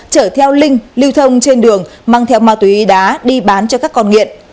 chở theo linh lưu thông trên đường mang theo ma túy đá đi bán cho các con nghiện